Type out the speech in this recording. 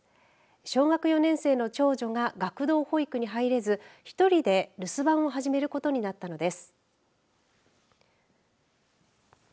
小学４年生の長女が学童保育に入れず１人で留守番を始めることになったのです。